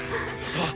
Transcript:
あっ！